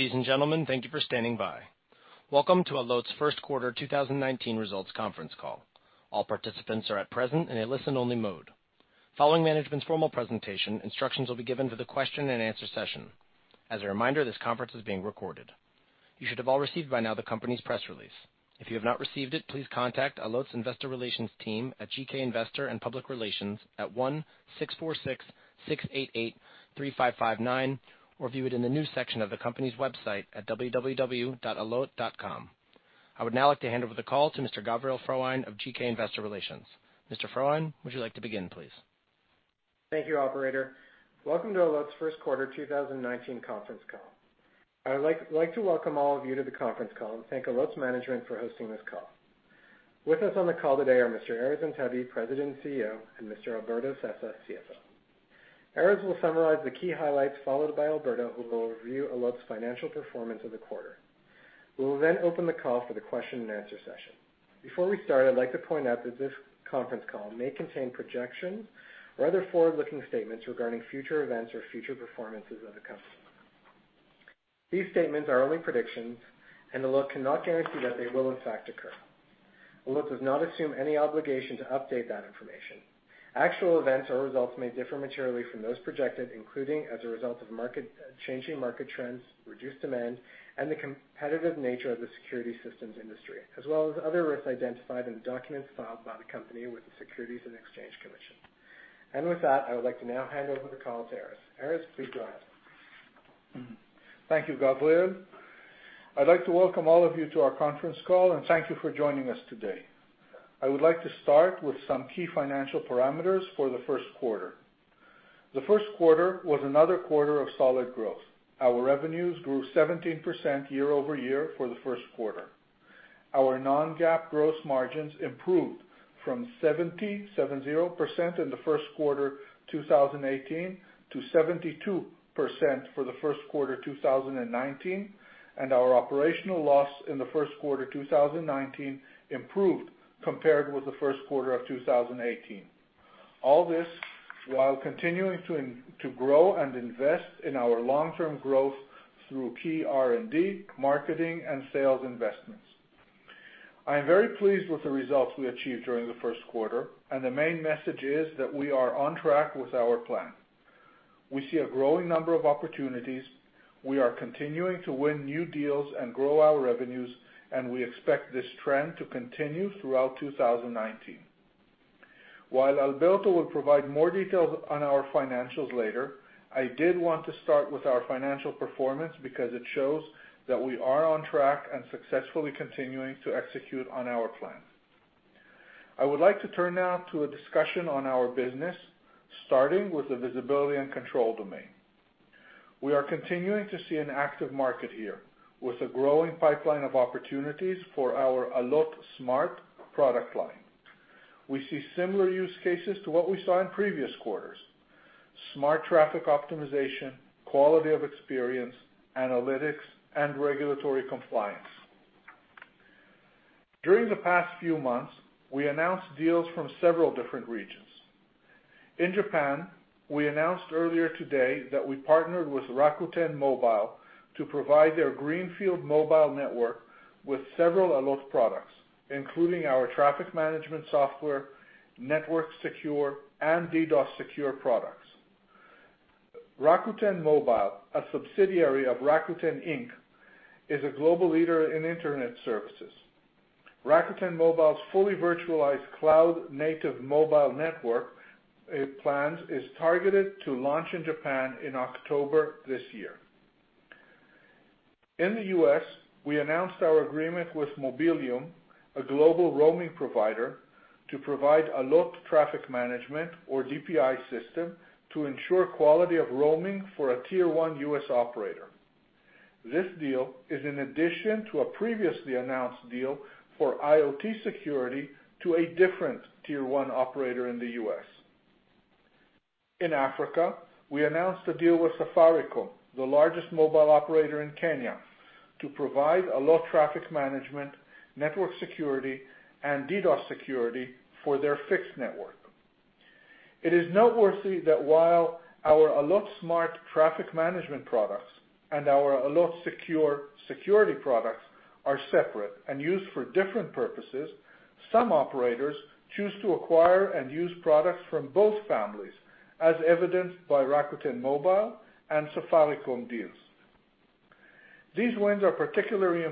Ladies and gentlemen, thank you for standing by. Welcome to Allot's first quarter 2019 results conference call. All participants are at present in a listen-only mode. Following management's formal presentation, instructions will be given for the question and answer session. As a reminder, this conference is being recorded. You should have all received by now the company's press release. If you have not received it, please contact Allot's Investor Relations team at GK Investor & Public Relations at 1-646-688-3559, or view it in the news section of the company's website at www.allot.com. I would now like to hand over the call to Mr. Gavriel Frohwein of GK Investor Relations. Mr. Frohwein, would you like to begin, please? Thank you, operator. Welcome to Allot's first quarter 2019 conference call. I would like to welcome all of you to the conference call and thank Allot's management for hosting this call. With us on the call today are Mr. Erez Antebi, President and CEO, and Mr. Alberto Sessa, CFO. Erez will summarize the key highlights, followed by Alberto, who will review Allot's financial performance of the quarter. We will then open the call for the question and answer session. Before we start, I'd like to point out that this conference call may contain projections or other forward-looking statements regarding future events or future performances of the customer. These statements are only predictions, and Allot cannot guarantee that they will in fact occur. Allot does not assume any obligation to update that information. Actual events or results may differ materially from those projected, including as a result of changing market trends, reduced demand, and the competitive nature of the security systems industry, as well as other risks identified in the documents filed by the company with the Securities and Exchange Commission. With that, I would like to now hand over the call to Erez. Erez, please go ahead. Thank you, Gavriel. I'd like to welcome all of you to our conference call, and thank you for joining us today. I would like to start with some key financial parameters for the first quarter. The first quarter was another quarter of solid growth. Our revenues grew 17% year-over-year for the first quarter. Our non-GAAP gross margins improved from 70% in the first quarter 2018 to 72% for the first quarter 2019, and our operational loss in the first quarter 2019 improved compared with the first quarter of 2018. All this while continuing to grow and invest in our long-term growth through key R&D, marketing, and sales investments. I am very pleased with the results we achieved during the first quarter, and the main message is that we are on track with our plan. We see a growing number of opportunities. We are continuing to win new deals and grow our revenues. We expect this trend to continue throughout 2019. While Alberto will provide more details on our financials later, I did want to start with our financial performance because it shows that we are on track and successfully continuing to execute on our plan. I would like to turn now to a discussion on our business, starting with the visibility and control domain. We are continuing to see an active market here, with a growing pipeline of opportunities for our Allot Smart product line. We see similar use cases to what we saw in previous quarters: smart traffic optimization, quality of experience, analytics, and regulatory compliance. During the past few months, we announced deals from several different regions. In Japan, we announced earlier today that we partnered with Rakuten Mobile to provide their greenfield mobile network with several Allot products, including our traffic management software, NetworkSecure, and DDoS Secure products. Rakuten Mobile, a subsidiary of Rakuten, Inc., is a global leader in internet services. Rakuten Mobile's fully virtualized cloud native mobile network plans is targeted to launch in Japan in October this year. In the U.S., we announced our agreement with Mobileum, a global roaming provider, to provide Allot traffic management or DPI system to ensure quality of roaming for a tier 1 U.S. operator. This deal is in addition to a previously announced deal for IoTSecure to a different tier 1 operator in the U.S. In Africa, we announced a deal with Safaricom, the largest mobile operator in Kenya, to provide Allot traffic management, NetworkSecure, and DDoS Secure for their fixed network. It is noteworthy that while our Allot Smart traffic management products and our Allot Secure security products are separate and used for different purposes, some operators choose to acquire and use products from both families, as evidenced by Rakuten Mobile and Safaricom deals. These wins are particularly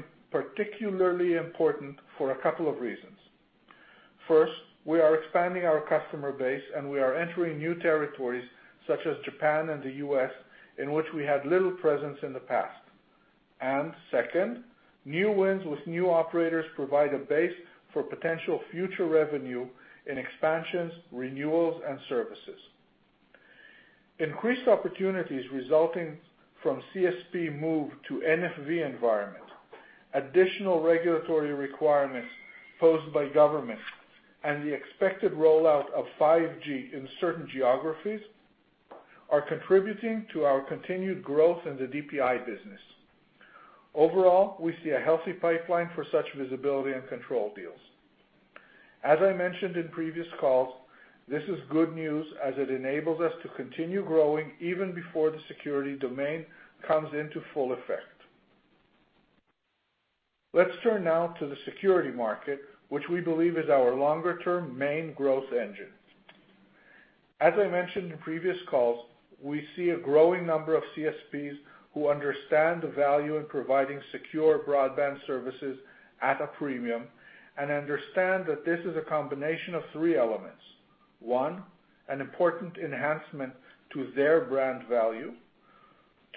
important for a couple of reasons. First, we are expanding our customer base, and we are entering new territories such as Japan and the U.S., in which we had little presence in the past. Second, new wins with new operators provide a base for potential future revenue in expansions, renewals, and services. Increased opportunities resulting from CSP move to NFV environment, additional regulatory requirements posed by government, and the expected rollout of 5G in certain geographies are contributing to our continued growth in the DPI business. Overall, we see a healthy pipeline for such visibility and control deals. As I mentioned in previous calls, this is good news as it enables us to continue growing even before the security domain comes into full effect. Let's turn now to the security market, which we believe is our longer-term main growth engine. As I mentioned in previous calls, we see a growing number of CSPs who understand the value in providing secure broadband services at a premium, and understand that this is a combination of 3 elements. 1, an important enhancement to their brand value.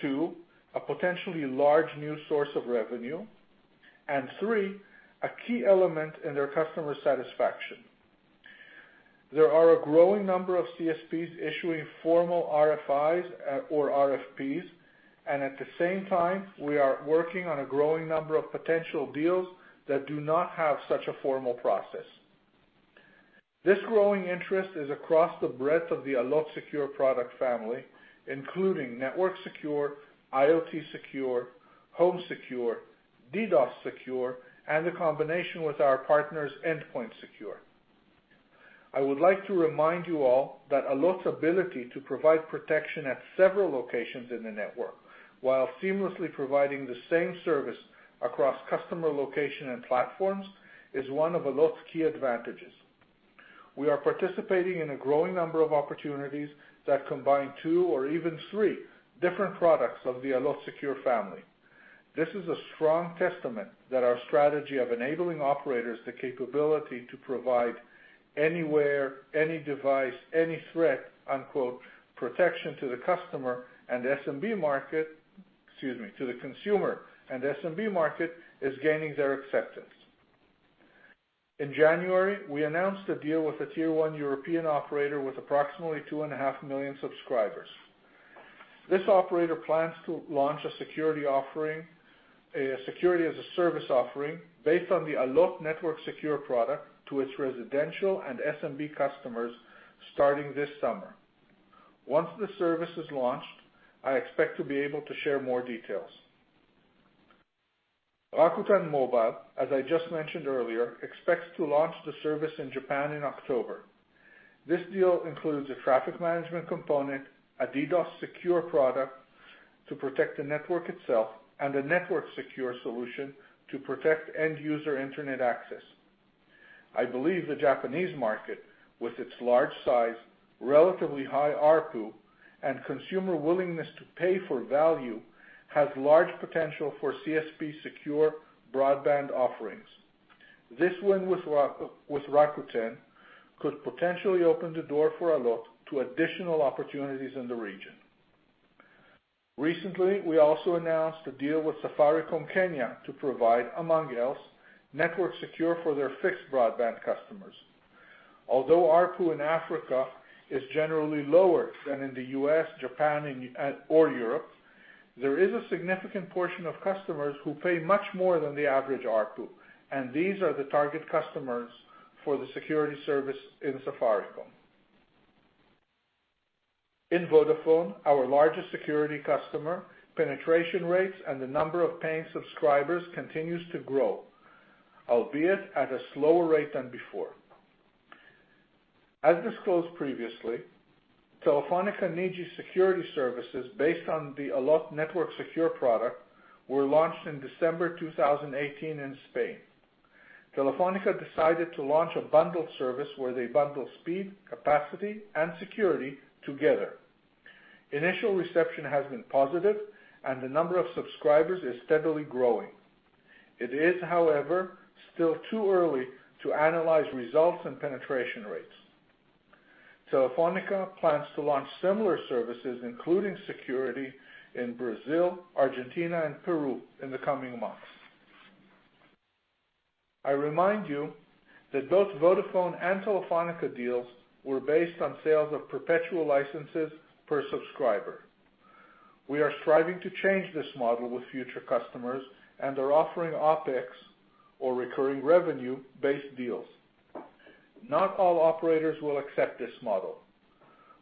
2, a potentially large new source of revenue. 3, a key element in their customer satisfaction. There are a growing number of CSPs issuing formal RFIs or RFPs, and at the same time, we are working on a growing number of potential deals that do not have such a formal process. This growing interest is across the breadth of the Allot Secure product family, including NetworkSecure, IoTSecure, HomeSecure, DDoS Secure, and the combination with our partners, EndpointSecure. I would like to remind you all that Allot's ability to provide protection at several locations in the network, while seamlessly providing the same service across customer location and platforms, is one of Allot's key advantages. We are participating in a growing number of opportunities that combine two or even three different products of the Allot Secure family. This is a strong testament that our strategy of enabling operators the capability to provide anywhere, any device, any threat, unquote, protection to the customer and SMB market, excuse me, to the consumer and SMB market is gaining their acceptance. In January, we announced a deal with a tier 1 European operator with approximately 2.5 million subscribers. This operator plans to launch a security as a service offering based on the Allot NetworkSecure product to its residential and SMB customers starting this summer. Once the service is launched, I expect to be able to share more details. Rakuten Mobile, as I just mentioned earlier, expects to launch the service in Japan in October. This deal includes a traffic management component, a DDoS Secure product to protect the network itself, and a NetworkSecure solution to protect end user internet access. I believe the Japanese market, with its large size, relatively high ARPU, and consumer willingness to pay for value, has large potential for CSP secure broadband offerings. This win with Rakuten could potentially open the door for Allot to additional opportunities in the region. Recently, we also announced a deal with Safaricom Kenya to provide, among else, NetworkSecure for their fixed broadband customers. Although ARPU in Africa is generally lower than in the U.S., Japan, or Europe, there is a significant portion of customers who pay much more than the average ARPU, and these are the target customers for the security service in Safaricom. In Vodafone, our largest security customer, penetration rates and the number of paying subscribers continues to grow, albeit at a slower rate than before. As disclosed previously, [Telefónica Niji] security services based on the Allot NetworkSecure product were launched in December 2018 in Spain. Telefónica decided to launch a bundled service where they bundle speed, capacity, and security together. Initial reception has been positive and the number of subscribers is steadily growing. It is, however, still too early to analyze results and penetration rates. Telefónica plans to launch similar services, including security, in Brazil, Argentina, and Peru in the coming months. I remind you that both Vodafone and Telefónica deals were based on sales of perpetual licenses per subscriber. We are striving to change this model with future customers and are offering OpEx or recurring revenue-based deals. Not all operators will accept this model.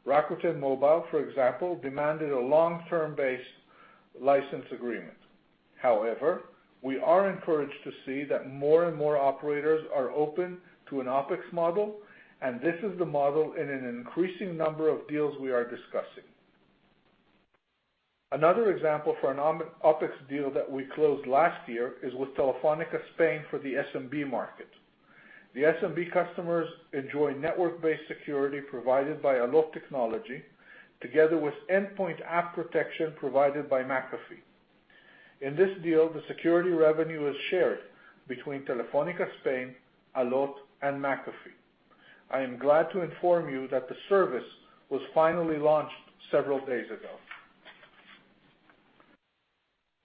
Rakuten Mobile, for example, demanded a long-term base license agreement. However, we are encouraged to see that more and more operators are open to an OpEx model, and this is the model in an increasing number of deals we are discussing. Another example for an OpEx deal that we closed last year is with Telefónica Spain for the SMB market. The SMB customers enjoy network-based security provided by Allot technology together with endpoint app protection provided by McAfee. In this deal, the security revenue is shared between Telefónica Spain, Allot, and McAfee. I am glad to inform you that the service was finally launched several days ago.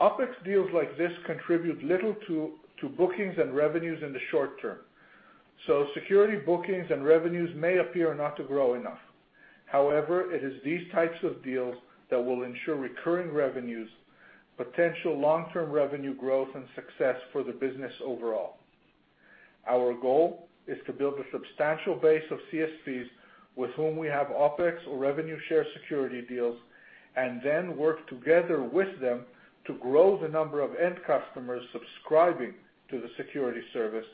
OpEx deals like this contribute little to bookings and revenues in the short term, so security bookings and revenues may appear not to grow enough. However, it is these types of deals that will ensure recurring revenues, potential long-term revenue growth, and success for the business overall. Our goal is to build a substantial base of CSPs with whom we have OpEx or revenue share security deals, and then work together with them to grow the number of end customers subscribing to the security service,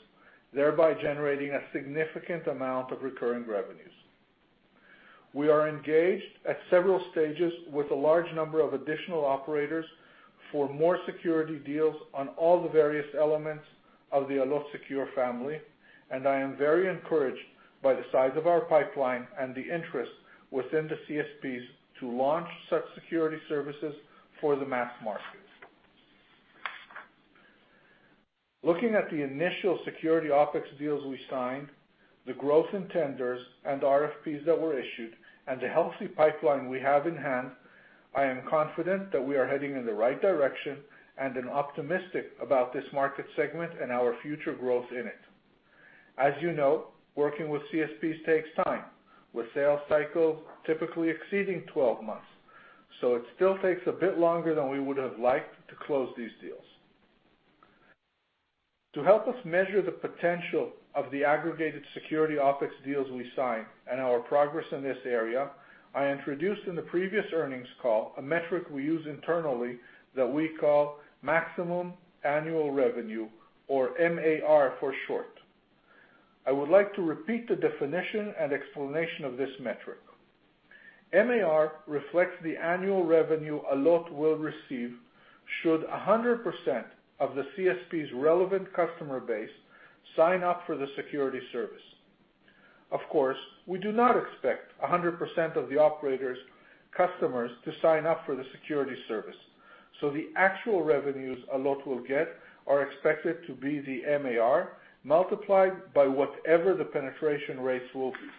thereby generating a significant amount of recurring revenues. We are engaged at several stages with a large number of additional operators for more security deals on all the various elements of the Allot Secure family, and I am very encouraged by the size of our pipeline and the interest within the CSPs to launch such security services for the mass market. Looking at the initial security OpEx deals we signed, the growth in tenders, and RFPs that were issued, and the healthy pipeline we have in-hand, I am confident that we are heading in the right direction, and am optimistic about this market segment and our future growth in it. As you know, working with CSPs takes time, with sales cycles typically exceeding 12 months. It still takes a bit longer than we would've liked to close these deals. To help us measure the potential of the aggregated security OpEx deals we signed, and our progress in this area, I introduced in the previous earnings call a metric we use internally that we call maximum annual revenue, or MAR for short. I would like to repeat the definition and explanation of this metric. MAR reflects the annual revenue Allot will receive should 100% of the CSP's relevant customer base sign up for the security service. Of course, we do not expect 100% of the operator's customers to sign up for the security service, the actual revenues Allot will get are expected to be the MAR multiplied by whatever the penetration rates will be.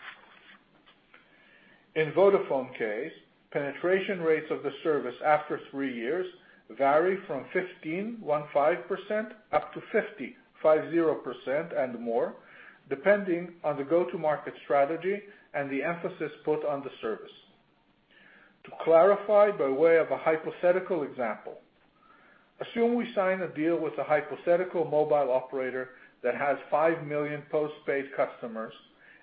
In Vodafone case, penetration rates of the service after three years vary from 15% up to 50% and more, depending on the go-to-market strategy and the emphasis put on the service. To clarify by way of a hypothetical example, assume we sign a deal with a hypothetical mobile operator that has 5 million post-paid customers,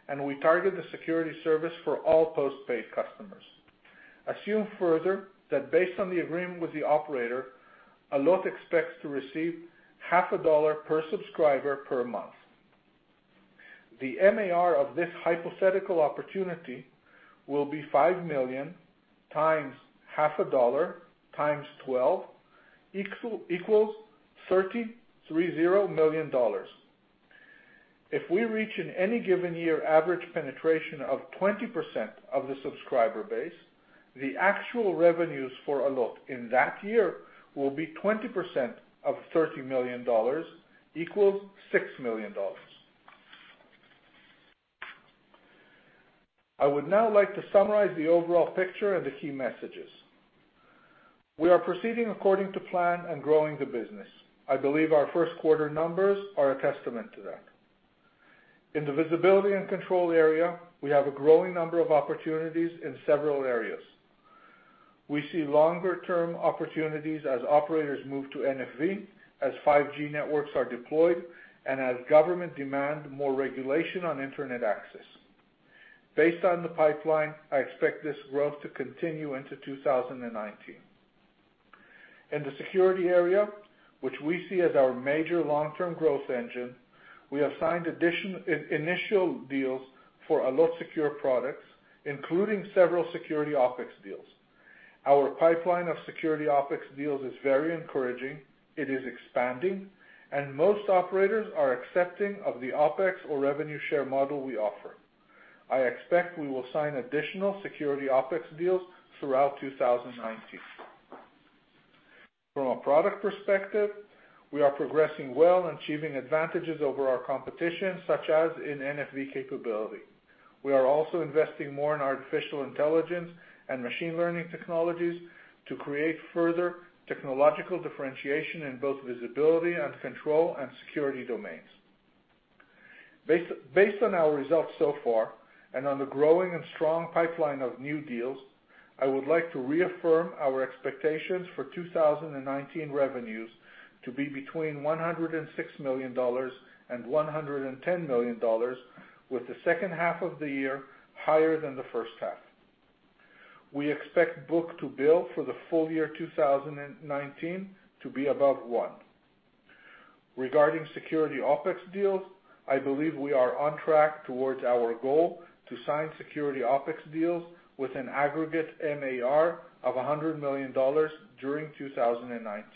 and we target the security service for all post-paid customers. Assume further that based on the agreement with the operator, Allot expects to receive half a dollar per subscriber per month. The MAR of this hypothetical opportunity will be 5 million times half a dollar times 12 equals $30 million. If we reach in any given year average penetration of 20% of the subscriber base, the actual revenues for Allot in that year will be 20% of $30 million equals $6 million. I would now like to summarize the overall picture and the key messages. We are proceeding according to plan and growing the business. I believe our first quarter numbers are a testament to that. In the visibility and control area, we have a growing number of opportunities in several areas. We see longer-term opportunities as operators move to NFV, as 5G networks are deployed, as government demand more regulation on internet access. Based on the pipeline, I expect this growth to continue into 2019. In the security area, which we see as our major long-term growth engine, we have signed initial deals for Allot Secure products, including several security OpEx deals. Our pipeline of security OpEx deals is very encouraging. It is expanding, and most operators are accepting of the OpEx or revenue share model we offer. I expect we will sign additional security OpEx deals throughout 2019. From a product perspective, we are progressing well and achieving advantages over our competition, such as in NFV capability. We are also investing more in artificial intelligence and machine learning technologies to create further technological differentiation in both visibility and control and security domains. Now, I would like to reaffirm our expectations for 2019 revenues to be between $106 million and $110 million, with the second half of the year higher than the first half. We expect book-to-bill for the full year 2019 to be above one. Regarding security OpEx deals, I believe we are on track towards our goal to sign security OpEx deals with an aggregate MAR of $100 million during 2019.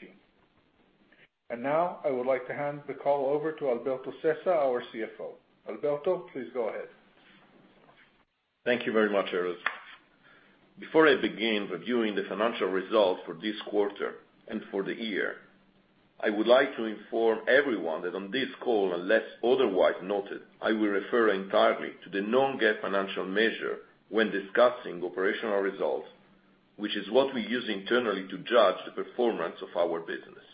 And now, I would like to hand the call over to Alberto Sessa, our CFO. Alberto, please go ahead. Thank you very much, Erez. Before I begin reviewing the financial results for this quarter and for the year, I would like to inform everyone that on this call, unless otherwise noted, I will refer entirely to the non-GAAP financial measure when discussing operational results, which is what we use internally to judge the performance of our business.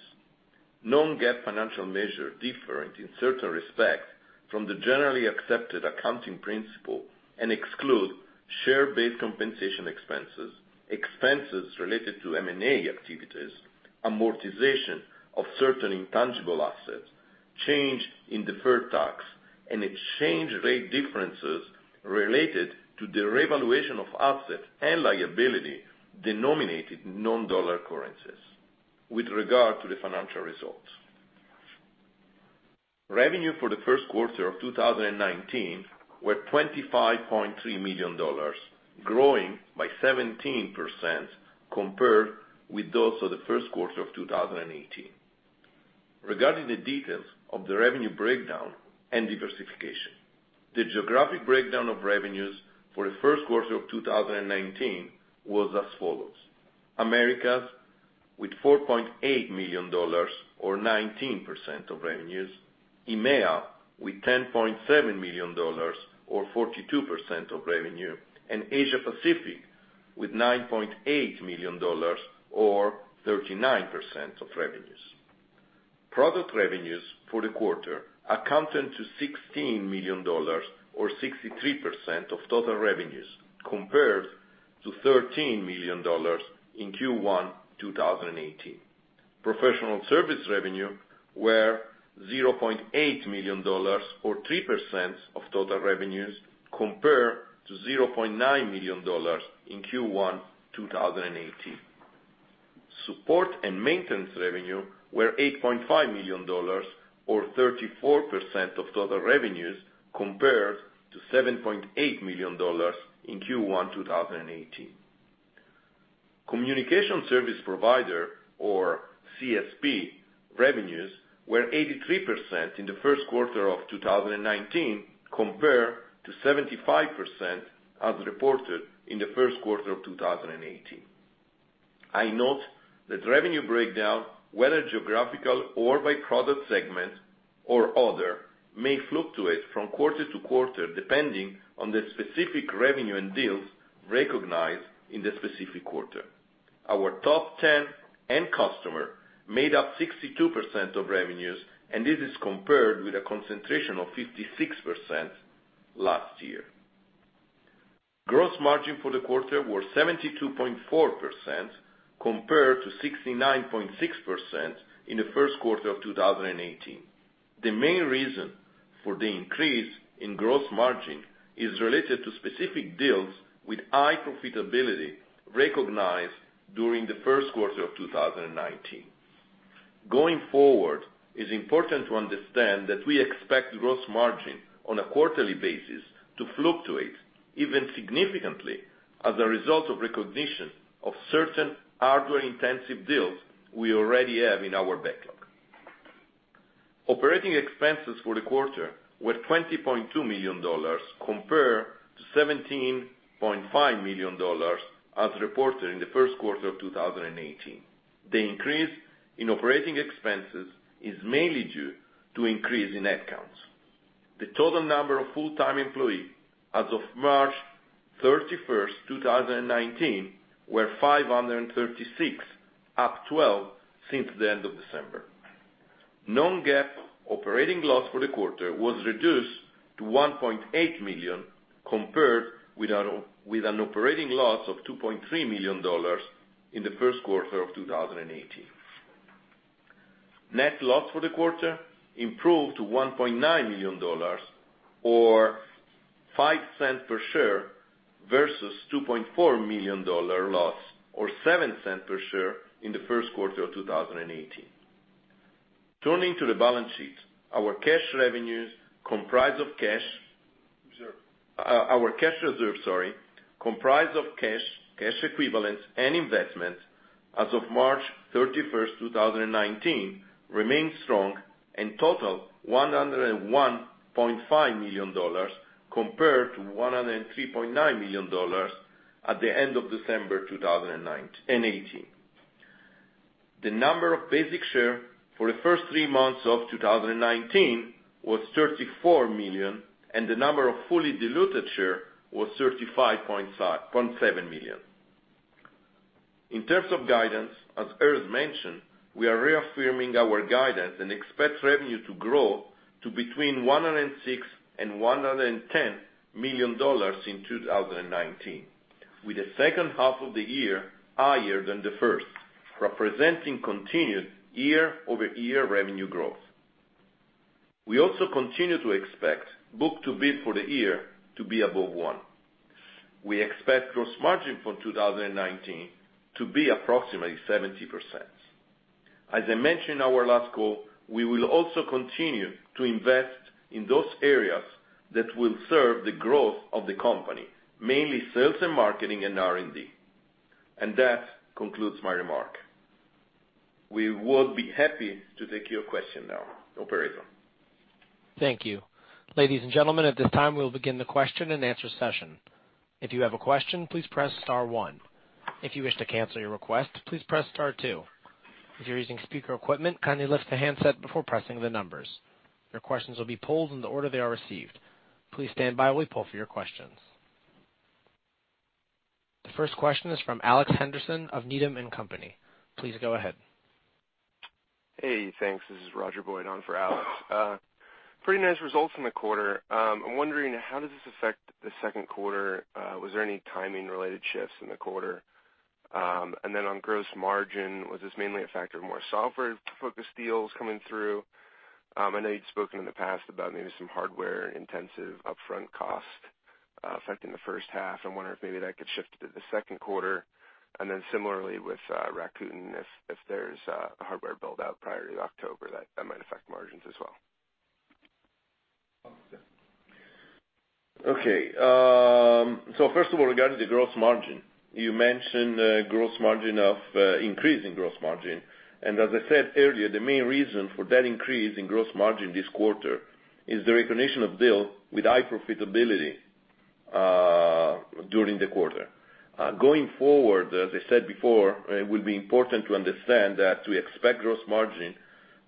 Non-GAAP financial measure differ in certain respects from the generally accepted accounting principle, and exclude share-based compensation expenses related to M&A activities, amortization of certain intangible assets, change in deferred tax, and exchange rate differences related to the revaluation of assets and liability denominated non-dollar currencies with regard to the financial results. Revenue for the first quarter of 2019 were $25.3 million, growing by 17% compared with those of the first quarter of 2018. Regarding the details of the revenue breakdown and diversification, the geographic breakdown of revenues for the first quarter of 2019 was as follows. Americas, with $4.8 million, or 19% of revenues, EMEA with $10.7 million or 42% of revenue, and Asia Pacific with $9.8 million or 39% of revenues. Product revenues for the quarter amounted to $16 million or 63% of total revenues, compared to $13 million in Q1 2018. Professional service revenue were $0.8 million or 3% of total revenues, compared to $0.9 million in Q1 2018. Support and maintenance revenue were $8.5 million or 34% of total revenues, compared to $7.8 million in Q1 2018. Communication service provider or CSP revenues were 83% in the first quarter of 2019, compared to 75% as reported in the first quarter of 2018. I note that revenue breakdown, whether geographical or by product segment or other, may fluctuate from quarter to quarter, depending on the specific revenue and deals recognized in the specific quarter. Our top 10 end customer made up 62% of revenues, and this is compared with a concentration of 56% last year. Gross margin for the quarter was 72.4%, compared to 69.6% in the first quarter of 2018. The main reason for the increase in gross margin is related to specific deals with high profitability recognized during the first quarter of 2019. Going forward, it's important to understand that we expect gross margin on a quarterly basis to fluctuate even significantly as a result of recognition of certain hardware-intensive deals we already have in our backlog. Operating expenses for the quarter were $20.2 million compared to $17.5 million as reported in the first quarter of 2018. The increase in operating expenses is mainly due to increase in headcounts. The total number of full-time employee as of March 31st, 2019, were 536, up 12 since the end of December. Non-GAAP operating loss for the quarter was reduced to $1.8 million, compared with an operating loss of $2.3 million in the first quarter of 2018. Net loss for the quarter improved to $1.9 million or $0.05 per share, versus $2.4 million loss or $0.07 per share in the first quarter of 2018. Turning to the balance sheet. Our cash revenues comprise of cash- Reserve. Our cash reserves, sorry, comprise of cash equivalents and investments as of March 31st, 2019, remain strong and total $101.5 million compared to $103.9 million at the end of December 2018. The number of basic share for the first three months of 2019 was 34 million, and the number of fully diluted share was 35.7 million. In terms of guidance, as Erez mentioned, we are reaffirming our guidance and expect revenue to grow to between $106 million and $110 million in 2019, with the second half of the year higher than the first, representing continued year-over-year revenue growth. We also continue to expect book-to-bill for the year to be above one. We expect gross margin for 2019 to be approximately 70%. As I mentioned in our last call, we will also continue to invest in those areas that will serve the growth of the company, mainly sales and marketing and R&D. That concludes my remark. We would be happy to take your question now, operator. Thank you. Ladies and gentlemen, at this time, we will begin the question and answer session. If you have a question, please press star one. If you wish to cancel your request, please press star two. If you're using speaker equipment, kindly lift the handset before pressing the numbers. Your questions will be polled in the order they are received. Please stand by while we poll for your questions. The first question is from Alex Henderson of Needham & Company. Please go ahead. Hey, thanks. This is Roger Boyd on for Alex. Pretty nice results from the quarter. I'm wondering, how does this affect the second quarter? Was there any timing related shifts in the quarter? On gross margin, was this mainly a factor of more software-focused deals coming through? I know you'd spoken in the past about maybe some hardware-intensive upfront costs affecting the first half. I'm wondering if maybe that could shift to the second quarter, and then similarly with Rakuten, if there's a hardware build-out prior to October that might affect margins as well. First of all, regarding the gross margin, you mentioned increase in gross margin. As I said earlier, the main reason for that increase in gross margin this quarter is the recognition of deal with high profitability during the quarter. Going forward, as I said before, it will be important to understand that we expect gross margin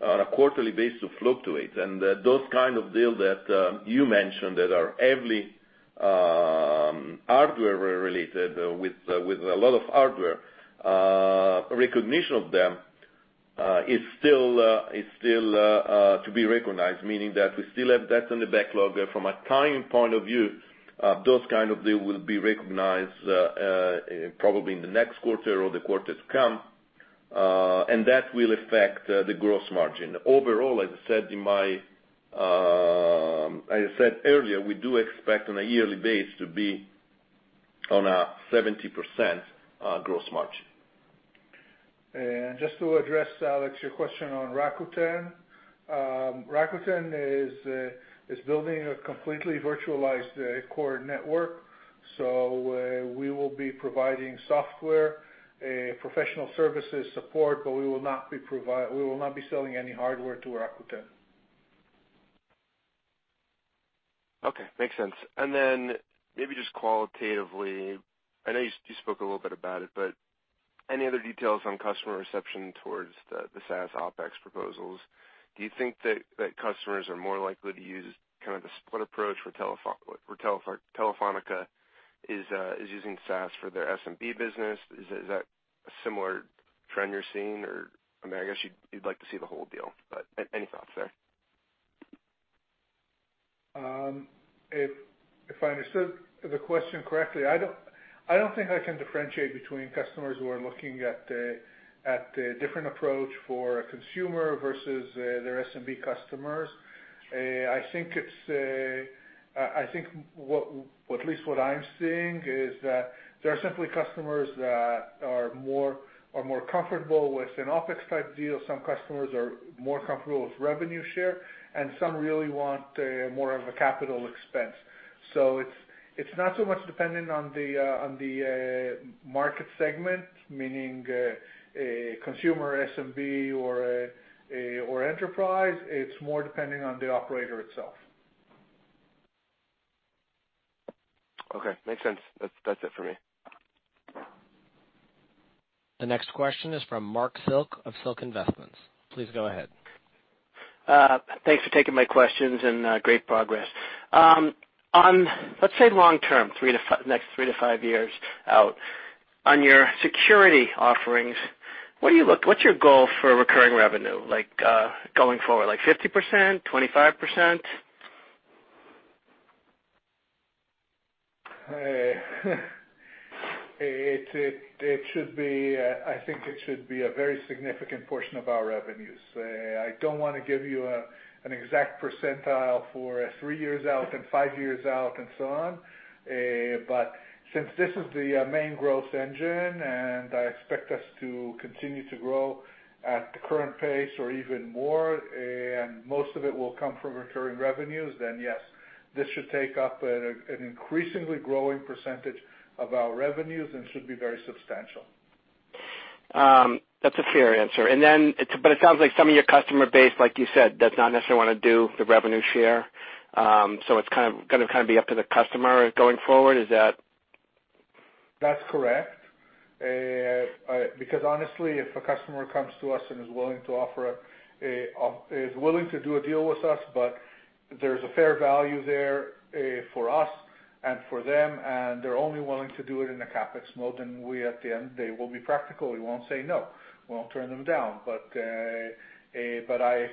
on a quarterly basis to fluctuate, and that those kind of deal that you mentioned that are heavily hardware-related with a lot of hardware, recognition of them is still to be recognized, meaning that we still have deals on the backlog there from a timing point of view, those kind of deal will be recognized probably in the next quarter or the quarters come. That will affect the gross margin. Overall, as I said earlier, we do expect on a yearly basis to be on a 70% gross margin. Just to address, Alex, your question on Rakuten. Rakuten is building a completely virtualized core network. We will be providing software, professional services support, but we will not be selling any hardware to Rakuten. Okay. Makes sense. Maybe just qualitatively, I know you spoke a little bit about it. Any other details on customer reception towards the SaaS OpEx proposals? Do you think that customers are more likely to use kind of the split approach where Telefónica is using SaaS for their SMB business? Is that a similar trend you're seeing? I guess you'd like to see the whole deal. Any thoughts there? If I understood the question correctly, I don't think I can differentiate between customers who are looking at the different approach for a consumer versus their SMB customers. I think at least what I'm seeing is that there are simply customers that are more comfortable with an OpEx type deal. Some customers are more comfortable with revenue share. Some really want more of a capital expense. It's not so much dependent on the market segment, meaning a consumer SMB or enterprise, it's more dependent on the operator itself. Okay. Makes sense. That's it for me. The next question is from Silk Investment Advisors. Please go ahead. Thanks for taking my questions and great progress. On long-term, next three to five years out, on your security offerings, what's your goal for recurring revenue? Going forward, 50%, 25%? I think it should be a very significant portion of our revenues. I don't want to give you an exact percentile for three years out and five years out and so on. Since this is the main growth engine, I expect us to continue to grow at the current pace or even more, most of it will come from recurring revenues, yes, this should take up an increasingly growing percentage of our revenues and should be very substantial. That's a fair answer. It sounds like some of your customer base, like you said, does not necessarily want to do the revenue share. It's going to be up to the customer going forward. Is that correct? That's correct. Honestly, if a customer comes to us is willing to do a deal with us, there's a fair value there for us for them, they're only willing to do it in a CapEx mode, they will be practical. We won't say no. We won't turn them down. I expect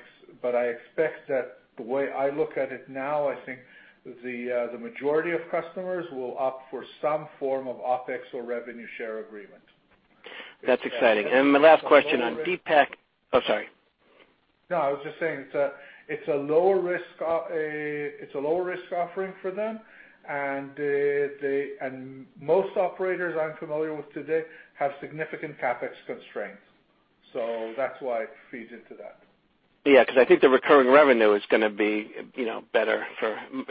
that the way I look at it now, I think the majority of customers will opt for some form of OpEx or revenue share agreement. That's exciting. My last question on Deep Packet. Oh, sorry. No, I was just saying it's a lower risk offering for them, and most operators I'm familiar with today have significant CapEx constraints. That's why it feeds into that. Yeah, because I think the recurring revenue is going to be better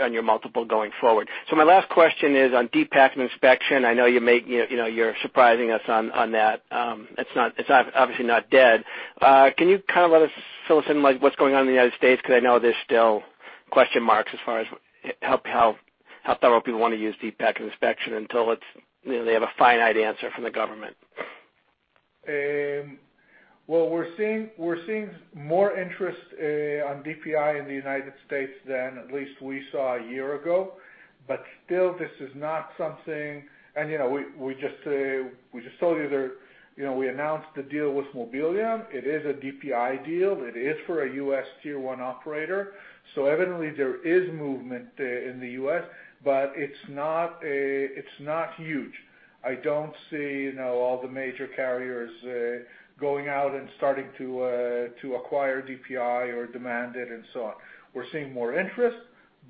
on your multiple going forward. My last question is on Deep Packet Inspection. I know you're surprising us on that. It's obviously not dead. Can you let us fill us in, like what's going on in the United States, because I know there's still question marks as far as how thorough people want to use Deep Packet Inspection until they have a finite answer from the government. Well, we're seeing more interest on DPI in the United States than at least we saw a year ago. Still, this is not something. We just told you we announced the deal with Mobileum. It is a DPI deal. It is for a U.S. tier 1 operator. Evidently, there is movement in the U.S., but it's not huge. I don't see all the major carriers going out and starting to acquire DPI or demand it and so on. We're seeing more interest,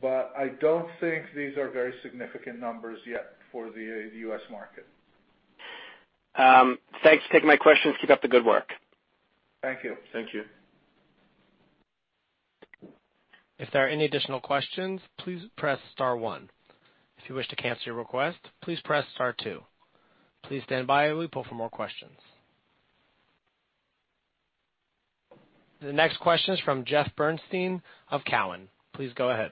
but I don't think these are very significant numbers yet for the U.S. market. Thanks for taking my questions. Keep up the good work. Thank you. If there are any additional questions, please press star one. If you wish to cancel your request, please press star two. Please stand by while we pull for more questions. The next question is from Jeffrey Bernstein of Cowen. Please go ahead.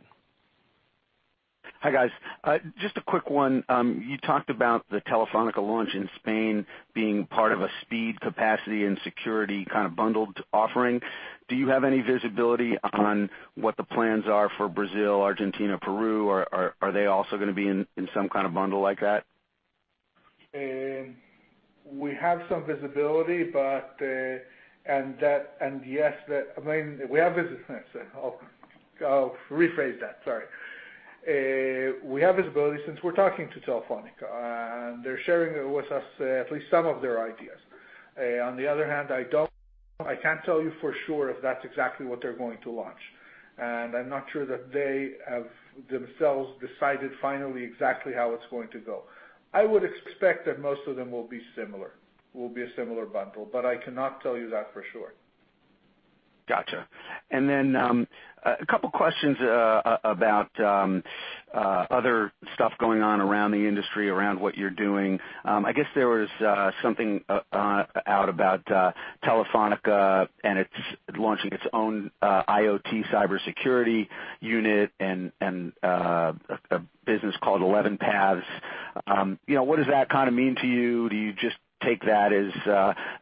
Hi, guys. Just a quick one. You talked about the Telefónica launch in Spain being part of a speed, capacity, and security bundled offering. Do you have any visibility on what the plans are for Brazil, Argentina, Peru? Are they also going to be in some kind of bundle like that? We have some visibility. I'll rephrase that, sorry. We have visibility since we're talking to Telefónica, and they're sharing with us at least some of their ideas. On the other hand, I can't tell you for sure if that's exactly what they're going to launch. I'm not sure that they have themselves decided finally exactly how it's going to go. I would expect that most of them will be a similar bundle, but I cannot tell you that for sure. Got you. A couple of questions about other stuff going on around the industry, around what you're doing. I guess there was something out about Telefónica and it's launching its own IoT cybersecurity unit and a business called ElevenPaths. What does that mean to you? Do you just take that as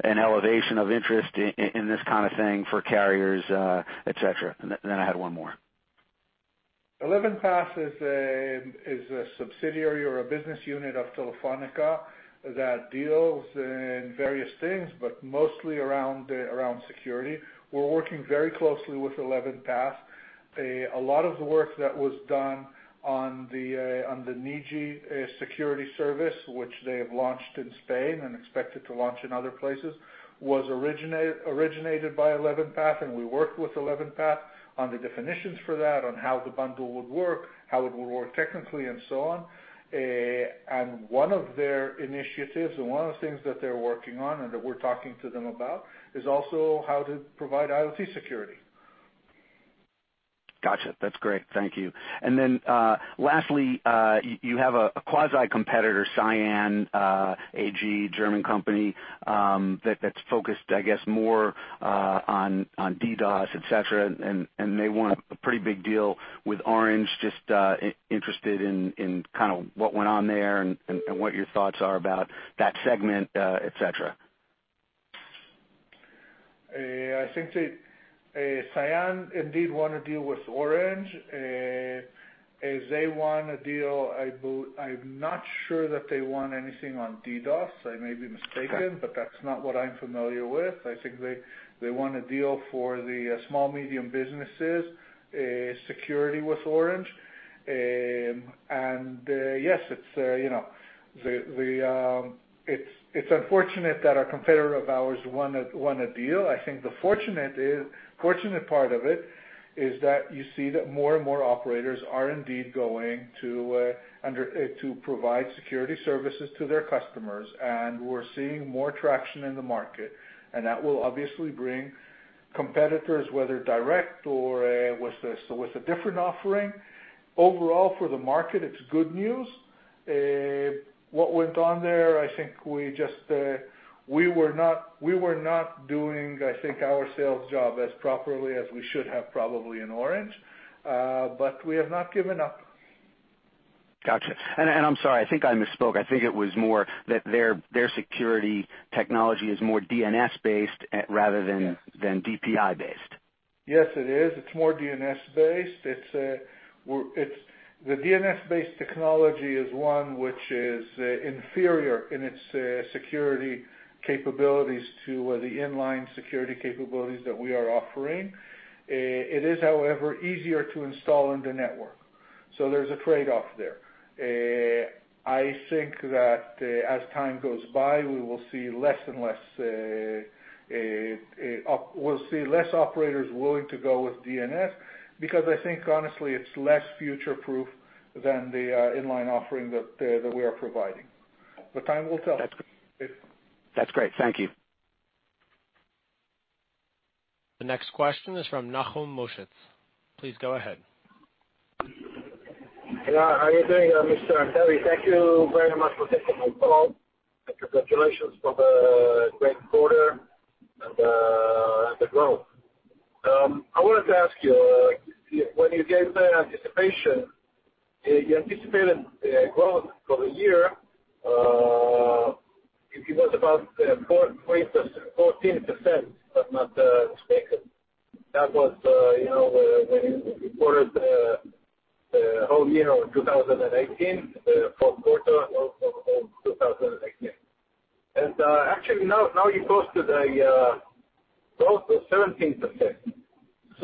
an elevation of interest in this kind of thing for carriers, et cetera? I had one more. ElevenPaths is a subsidiary or a business unit of Telefónica that deals in various things, but mostly around security. We're working very closely with ElevenPaths. A lot of the work that was done on the Niji security service, which they have launched in Spain and expected to launch in other places, was originated by ElevenPaths, and we worked with ElevenPaths on the definitions for that, on how the bundle would work, how it would work technically, and so on. One of their initiatives, and one of the things that they're working on and that we're talking to them about, is also how to provide IoT security. Got you. That's great. Thank you. Lastly, you have a quasi-competitor, Cyan AG, German company, that's focused, I guess, more on DDoS, et cetera, and they won a pretty big deal with Orange. Just interested in what went on there and what your thoughts are about that segment, et cetera. I think that Cyan indeed won a deal with Orange. They won a deal. I'm not sure that they won anything on DDoS. I may be mistaken, but that's not what I'm familiar with. I think they won a deal for the small medium businesses security with Orange. Yes, it's unfortunate that a competitor of ours won a deal. I think the fortunate part of it is that you see that more and more operators are indeed going to provide security services to their customers, and we're seeing more traction in the market, and that will obviously bring competitors, whether direct or with a different offering. Overall, for the market, it's good news. What went on there, I think we were not doing, our sales job as properly as we should have probably in Orange. We have not given up. Got you. I'm sorry, I think I misspoke. I think it was more that their security technology is more DNS-based rather than DPI-based. Yes, it is. It's more DNS-based. The DNS-based technology is one which is inferior in its security capabilities to the inline security capabilities that we are offering. It is, however, easier to install in the network. There's a trade-off there. I think that as time goes by, we'll see less operators willing to go with DNS, because I think honestly, it's less future-proof than the inline offering that we are providing. Time will tell. That's great. Thank you. The next question is from Nachum Moshes. Please go ahead. How are you doing, Mr. Antebi? Thank you very much for taking my call, and congratulations for the great quarter and the growth. I wanted to ask you, when you gave the anticipation, you anticipated growth for the year. It was about 14%, if I'm not mistaken. That was when you reported the whole year of 2018, the fourth quarter of 2018. Actually, now you posted a growth of 17%.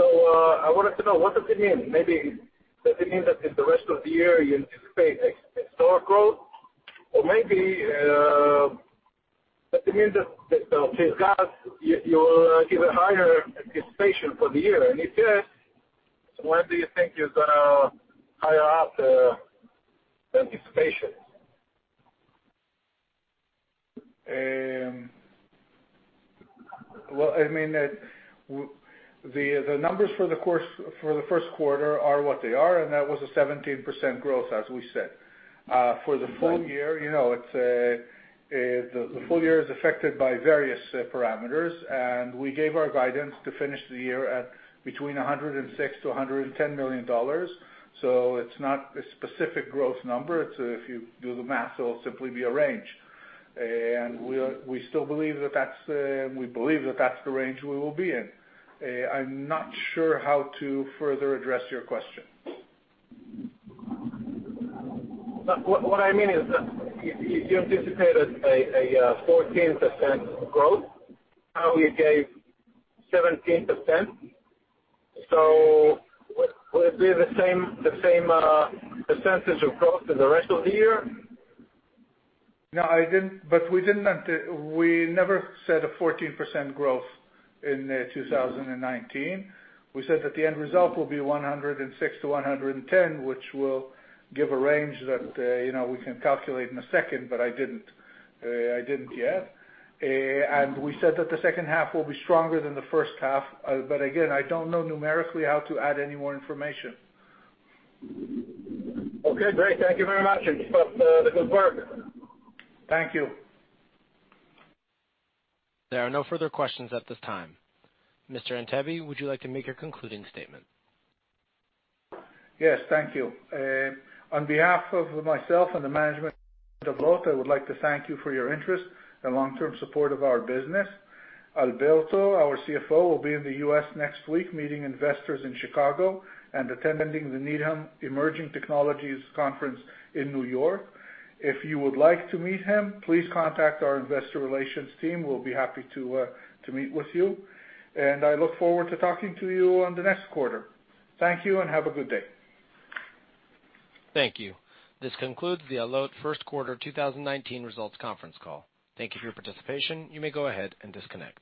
I wanted to know, what does it mean? Maybe does it mean that in the rest of the year, you anticipate historic growth? Or maybe does it mean that you will give a higher anticipation for the year? If yes, when do you think you're going to hire up the anticipation? Well, I mean, the numbers for the first quarter are what they are, and that was a 17% growth, as we said. For the full year, the full year is affected by various parameters, and we gave our guidance to finish the year at between $106 million-$110 million. It's not a specific growth number. If you do the math, it'll simply be a range. We believe that that's the range we will be in. I'm not sure how to further address your question. What I mean is that you anticipated a 14% growth. Now you gave 17%. Will it be the same percentage of growth for the rest of the year? No, we never said a 14% growth in 2019. We said that the end result will be 106 to 110, which will give a range that we can calculate in a second, but I didn't yet. We said that the second half will be stronger than the first half. Again, I don't know numerically how to add any more information. Okay, great. Thank you very much and keep up the good work. Thank you. There are no further questions at this time. Mr. Antebi, would you like to make your concluding statement? Yes, thank you. On behalf of myself and the management of Allot, I would like to thank you for your interest and long-term support of our business. Alberto, our CFO, will be in the U.S. next week meeting investors in Chicago and attending the Needham Emerging Technology Conference in New York. If you would like to meet him, please contact our investor relations team, we'll be happy to meet with you. I look forward to talking to you on the next quarter. Thank you and have a good day. Thank you. This concludes the Allot first quarter 2019 results conference call. Thank you for your participation. You may go ahead and disconnect.